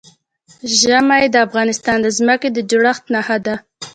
ژمی د افغانستان د ځمکې د جوړښت نښه ده.